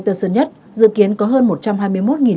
tân sơn nhất dự kiến có hơn một trăm hai mươi một